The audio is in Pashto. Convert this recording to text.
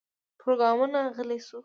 پروګرامر غلی شو